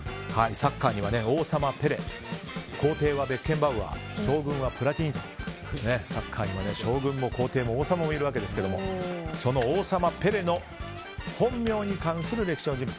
サッカーには王様ペレ皇帝はベッケンバウワー将軍がプラティニとサッカーには将軍も皇帝も王様もいるわけですが王様ペレの本名に関する歴史の人物。